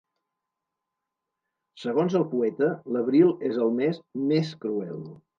Segons el poeta, l'abril és el mes més cruel